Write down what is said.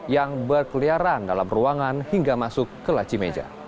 yang berkeliaran dalam ruangan hingga masuk ke laci meja